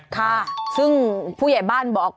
ค่ะซึ่งผู้ใหญ่บ้านบอก